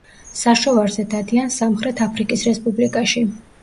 საშოვარზე დადიან სამხრეთ აფრიკის რესპუბლიკაში.